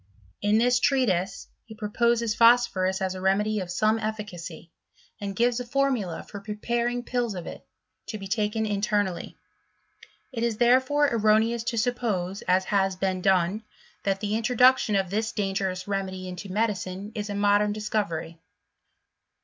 In this treatise, he proposes phosphorus as a remedy of some efficacy, and gives a formula for preparing pills of it, to be taken internally. It is therefore erro neous to suppose, as has been done, that the intro duction of this dangerous remedy into medicine is 4. modem discovery.